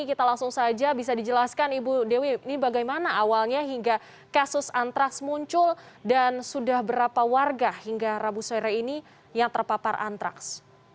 kita langsung saja bisa dijelaskan ibu dewi ini bagaimana awalnya hingga kasus antraks muncul dan sudah berapa warga hingga rabu sore ini yang terpapar antraks